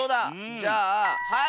じゃあはい！